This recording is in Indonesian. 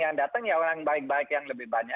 yang datang ya orang baik baik yang lebih banyak